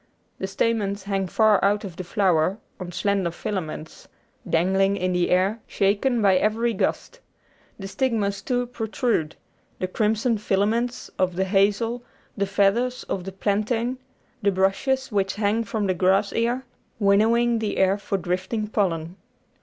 The stamens hang far out of the flower on slender filaments, dangling in the air, shaken by every gust. The stigmas, too, pro trude the crimson filaments, of the hazel, the feathers of the plantain, the brushes which hang from the grass ear winnowing the air for drifting pollen.